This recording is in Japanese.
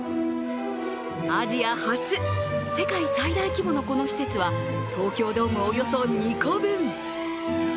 アジア初、世界最大規模のこの施設は東京ドームおよそ２個分。